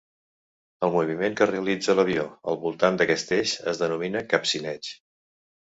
El moviment que realitza l'avió al voltant d'aquest eix es denomina capcineig.